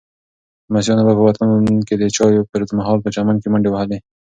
لمسیانو به په وطن کې د چایو پر مهال په چمن کې منډې وهلې.